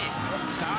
さあ